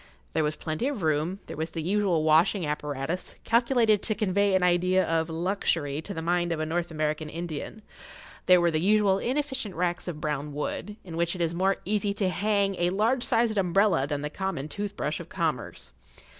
There was plenty of room; there was the usual washing apparatus, calculated to convey an idea of luxury to the mind of a North American Indian; there were the usual inefficient racks of brown wood, in which it is more easy to hang a large sized umbrella than the common tooth brush of commerce.